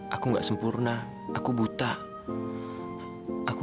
saya tidak memperkenalkan sentiasa